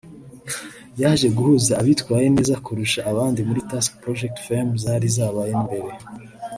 yaje guhuza abitwaye neza kurusha abandi muri Tusker Project Fame zari zarabaye mbere